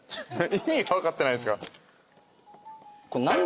意味が分かってないっすか？